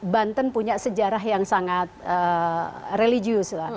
banten punya sejarah yang sangat religius lah